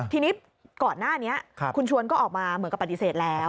ทีนี้ก่อนหน้านี้คุณชวนก็ออกมาเหมือนกับปฏิเสธแล้ว